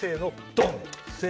ドン！